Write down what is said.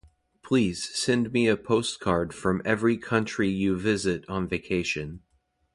Please send me a postcard from every country you visit on vacation.